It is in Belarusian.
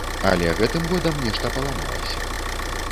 Але гэтым годам нешта паламалася.